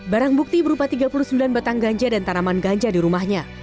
barang bukti berupa tiga puluh sembilan batang ganja dan tanaman ganja di rumahnya